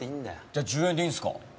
じゃあ１０円でいいんですか？